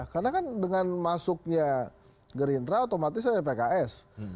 karena kan dengan masuknya gerindra otomatis ada pks